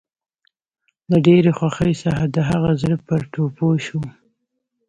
له ډېرې خوښۍ څخه د هغه زړه پر ټوپو شو